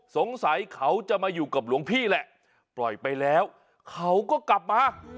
สงสัยเขาจะมาอยู่กับหลวงพี่แหละปล่อยไปแล้วเขาก็กลับมา